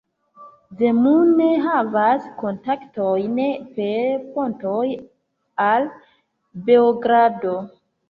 Zemun havas kontaktojn per pontoj al Beogrado.